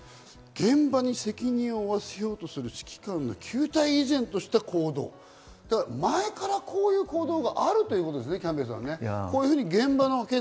現場に責任を負わせようとする指揮官の旧態依然とした行動、前からこういう行動があるということですね。